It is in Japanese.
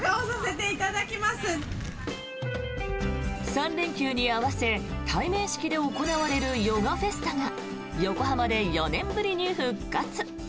３連休に合わせ対面式で行われるヨガフェスタが横浜で４年ぶりに復活。